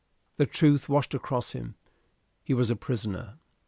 The truth washed across him he was a prisoner.